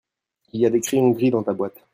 Il y a des crayons gris dans ta boîte ?